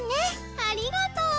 ありがとう！